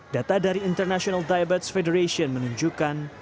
data dari international diabetes federation menunjukkan